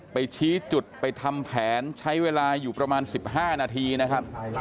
ไปชี้จุดไปทำแผนใช้เวลาอยู่ประมาณ๑๕นาทีนะครับ